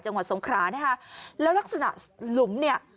จังหวัดสงครานะคะแล้วลักษณะหลุมเนี่ย